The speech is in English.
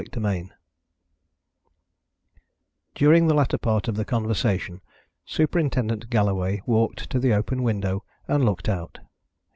CHAPTER V During the latter part of the conversation Superintendent Galloway walked to the open window, and looked out.